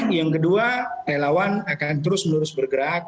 yang kedua relawan akan terus menerus bergerak